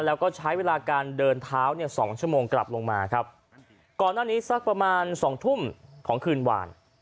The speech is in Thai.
แล้วก็ใช้เวลาการเดินเท้าเนี่ยสองชั่วโมงกลับลงมาครับก่อนหน้านี้สักประมาณสองทุ่มของคืนหวาน